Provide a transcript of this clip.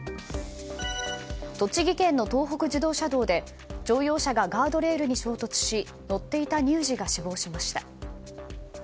栃木県の東北自動車道で乗用車がガードレールに衝突し乗っていた乳児が死亡しました。